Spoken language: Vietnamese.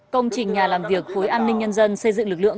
công trình nhà làm việc khối an ninh nhân dân xây dựng lực lượng